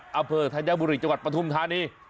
ที่ปัดอเผอร์ธัญบุรีจังหวัดประทุมธานี